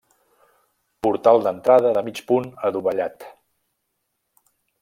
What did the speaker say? Portal d'entrada de mig punt adovellat.